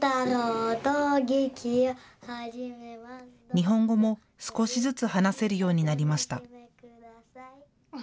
日本語も少しずつ話せるようになりました。